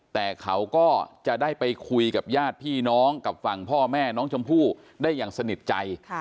แต่เขาก็จะได้ไปคุยกับญาติพี่น้องกับฝั่งพ่อแม่น้องชมพู่ได้อย่างสนิทใจ